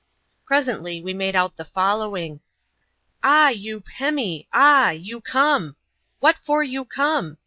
Presently we made out the following: — "Ah I you pemif ah! — you come! — What for you come?